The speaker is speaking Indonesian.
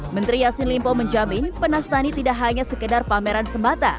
menteri yassin limpo menjamin penas tani tidak hanya sekedar pameran semata